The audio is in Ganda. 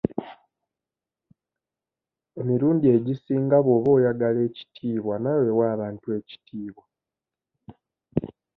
Emirundi egisinga bw'oba oyagala ekitiibwa naawe wa abantu ekitiibwa.